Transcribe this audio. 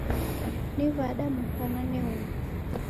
Ni w'ada mfanane huwu?